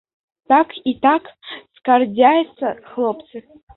Так і так, скардзяцца хлопцы.